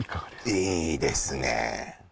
いいですねえ